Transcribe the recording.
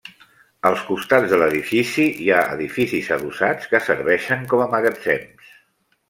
Als costats de l'edifici hi ha edificis adossats que serveixen com a magatzems.